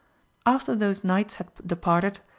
|FTER those knights had departed.